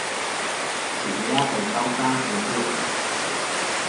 Sugeak ez dauka hezurrik.